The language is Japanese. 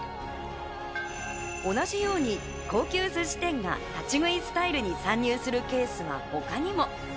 同じように高級寿司店が立ち食いスタイルに参入するケースが他にも。